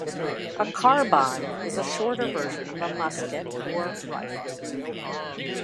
A carbine is a shorter version of a musket or rifle.